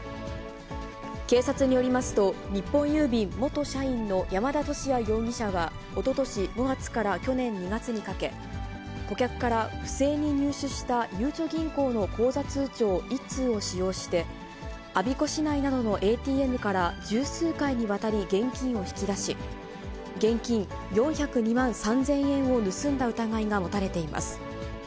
警察によりますと、日本郵便元社員の山田敏也容疑者は、おととし５月から去年２月にかけ、顧客から不正に入手したゆうちょ銀行の口座通帳１通を使用して、我孫子市内などのＡＴＭから十数回にわたり現金を引き出し、現金４０２万３０００円を盗んだ疑いが持たれています。